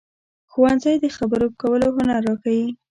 ښوونځی د خبرو کولو هنر راښيي